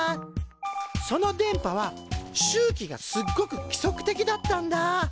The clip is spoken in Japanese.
その電波は周期がすっごく規則的だったんだ。